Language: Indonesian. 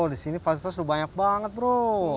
di sini fasilitas udah banyak banget bro